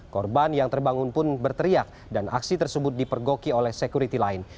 korban yang terbangun pun berteriak dan aksi tersebut dipergoki oleh sekuriti lain